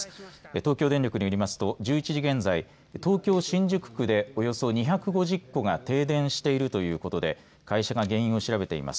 東京電力によりますと１１時現在東京、新宿区でおよそ２５０戸が停電しているということで会社が原因を調べています。